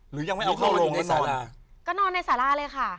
หรือยังไม่เอาเข้าโลงแล้วนอนก็นอนในศาลาเลยค่ะ